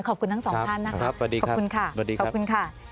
ขอบคุณทั้งสองท่านนะครับขอบคุณค่ะ